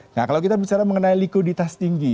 nah kalau kita bicara mengenai liku di tas tinggi